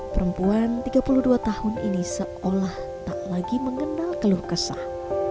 perempuan tiga puluh dua tahun ini seolah tak lagi mengenal keluh kesah